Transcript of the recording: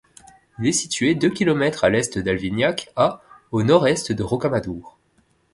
Il est situé deux kilomètres à l'est d'Alvignac, à au nord-est de Rocamadour.